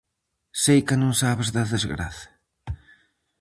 Seica non sabes da desgraza?